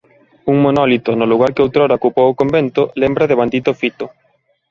Un monólito no lugar que outrora ocupou o convento lembra devandito fito.